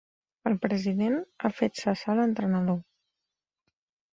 El president ha fet cessar l'entrenador.